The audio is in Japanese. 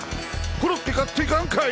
コロッケ買って行かんかい！